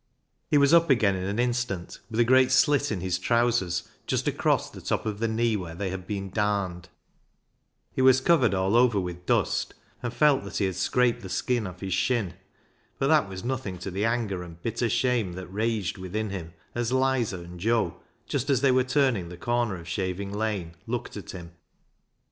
He was up again in an instant with a great slit in his trousers, just across the top of the knee where they had been darned. He was 261 262 BECKSIDE LIGHTS covered all over with dust, and felt that he had scraped the skin off his shin. But that was nothing to the anger and bitter shame that raged within him as " Lizer " and Joe, just as they were turning the corner of Shaving Lane, looked at him.